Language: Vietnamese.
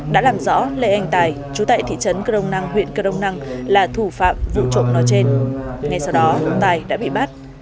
đã làm rõ lệ anh tài chú tại thị trấn grông năng huyện grông năng là thủ phạm vụ trộm nó trên ngay sau đó tài đã bị bắt